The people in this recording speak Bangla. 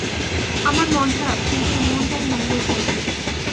আমার মন খারাপ, কিন্তু এমনটাই মঙ্গলজনক।